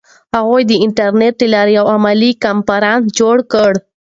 هغوی د انټرنیټ له لارې یو علمي کنفرانس جوړ کړ.